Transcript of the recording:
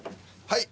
はい。